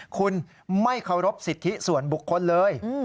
คุณไม่เคารพสิทธิส่วนบุคคลเลย